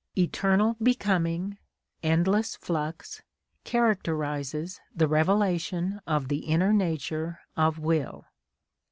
Eternal becoming, endless flux, characterises the revelation of the inner nature of will.